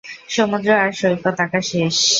সমুদ্র আর সৈকত আঁকা শেষ।